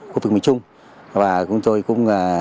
khu vực miền trung và chúng tôi cũng